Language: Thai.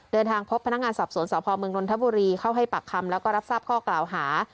เดินทางพบพนักงานสอบสวนสพเมืองนนทบุรีเข้าให้ปากคำแล้วก็รับทราบข้อกล่าวหา